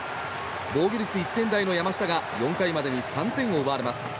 防御率１点台の山下が４回までに３点を奪われます。